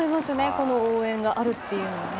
この応援があるというのはね。